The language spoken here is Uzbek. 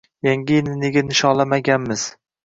Yyangi yilni nega nishonlashmaganmiz.